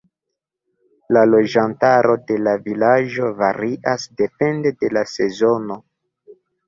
La loĝantaro de la vilaĝo varias depende de la sezono.